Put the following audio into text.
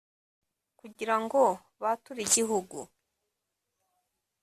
kugira ngo bature igihugu